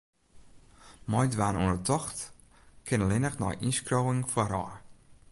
Meidwaan oan 'e tocht kin allinnich nei ynskriuwing foarôf.